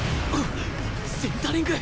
センタリング！？